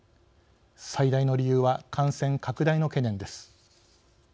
最大の理由は感染拡大の懸念です。